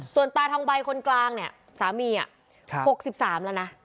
ส่วนตาทองใบคนกลางเนี่ยสามีอ่ะครับหกสิบสามแล้วนะ